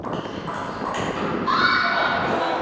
バックハンド。